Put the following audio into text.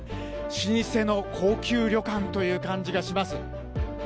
老舗の高級旅館という感じがします。